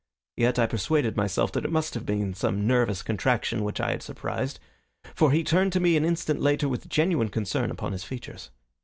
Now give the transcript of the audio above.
Yet I persuaded myself that it must have been some nervous contraction which I had surprised, for he turned to me an instant later with genuine concern upon his features.